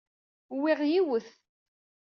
Uwyeɣ yiwet.